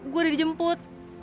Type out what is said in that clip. gue udah dijemput